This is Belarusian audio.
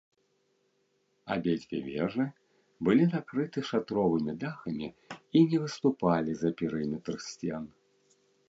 Абедзве вежы былі накрыты шатровымі дахамі і не выступалі за перыметр сцен.